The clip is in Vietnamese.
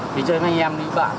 thì chơi với anh em với bạn